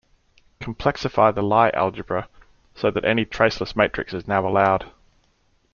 Complexify the Lie algebra, so that any traceless matrix is now allowed.